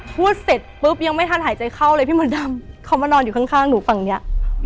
พูดเสร็จปุ๊บยังไม่ทันหายใจเข้าเลยพี่มดดำเขามานอนอยู่ข้างหนูฝั่งเนี้ย